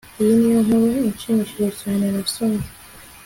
iyi niyo nkuru ishimishije cyane nasomye